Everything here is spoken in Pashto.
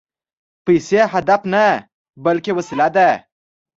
پیسې هدف نه، بلکې وسیله ده